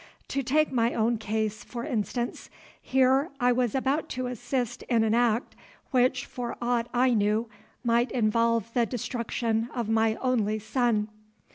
To take my own case, for instance. Here I was about to assist in an act which for aught I knew might involve the destruction of my only son.